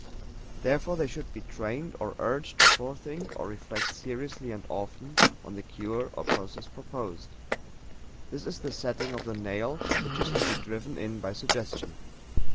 Therefore they should be trained or urged to forethink or reflect seriously and often on the cure or process proposed. This is the setting of the nail, which is to be driven in by suggestion.